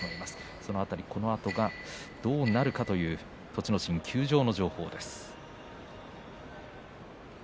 その辺りこのあとどうなるかという栃ノ心、休場情報です。